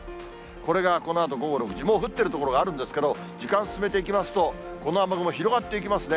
これがこのあと午後６時、もう降ってる所があるんですけど、時間進めていきますと、この雨雲、広がっていきますね。